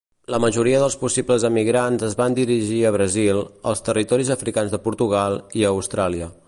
La majoria dels possibles emigrants es van dirigir a Brasil, als territoris africans de Portugal i a Austràlia.